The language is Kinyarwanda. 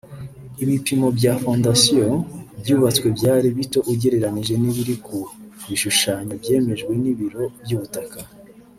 Ibipimo bya fondasiyo byubatswe byari bito ugereranije n’ibiri ku bishushanyo byemejwe n’ibiro by’ubutaka